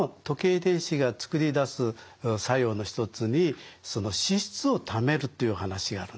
遺伝子が作り出す作用の一つにその脂質を貯めるという話があるんですね。